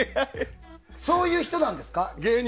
そういう人なんですか？